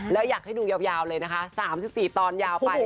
แล้วอยากให้ดูยาวเลยนะคะ๓๔ตอนยาวไป